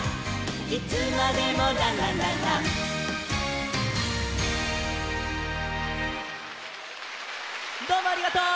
「いつまでもランランランラン」どうもありがとう！